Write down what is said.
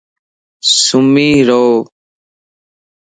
سُمي رَ وَ